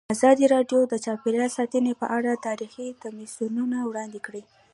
ازادي راډیو د چاپیریال ساتنه په اړه تاریخي تمثیلونه وړاندې کړي.